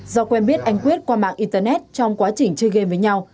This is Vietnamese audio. do quen biết anh quyết qua mạng internet trong quá trình chơi game với nhau